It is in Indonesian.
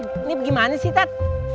ini gimana sih tat